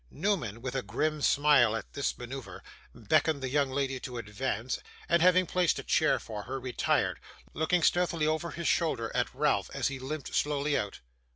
Newman, with a grim smile at this manoeuvre, beckoned the young lady to advance, and having placed a chair for her, retired; looking stealthily over his shoulder at Ralph as he limped slowly out.